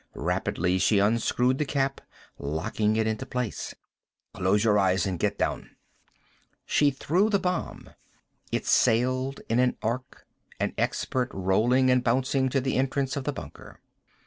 Rapidly, she unscrewed the cap, locking it into place. "Close your eyes and get down." She threw the bomb. It sailed in an arc, an expert, rolling and bouncing to the entrance of the bunker.